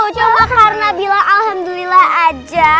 coba karena bilang alhamdulillah aja